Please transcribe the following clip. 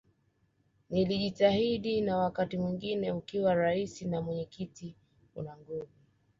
Nilijitahidi na wakati mwingine ukiwa Rais na mwenyekiti una nguvu